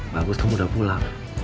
bagus kamu udah pulang